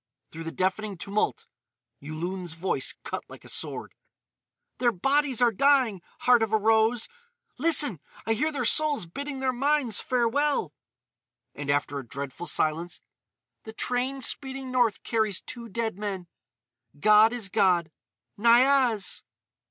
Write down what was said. Through the deafening tumult Yulun's voice cut like a sword: "Their bodies are dying, Heart of a Rose!... Listen! I hear their souls bidding their minds farewell!" And, after a dreadful silence: "The train speeding north carries two dead men! God is God. Niaz!"